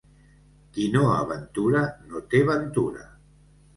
Qui no aventura, no té ventura.